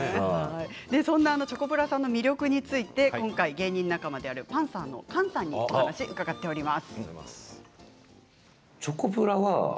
チョコプラさんの魅力について今回芸人仲間であるパンサーの菅さんにお話を伺っています。